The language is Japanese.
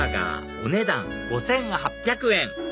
お値段５８００円！